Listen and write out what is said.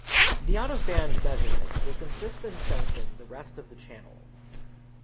The out-of-band measurement will consist in sensing the rest of the channels.